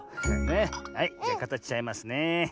はいじゃかたしちゃいますねえ。